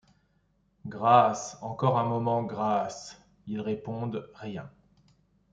-Grâce. ! encore un moment ! grâce ! -Ils répondent : Rien.